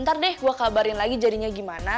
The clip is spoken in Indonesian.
ntar deh gue kabarin lagi jadinya gimana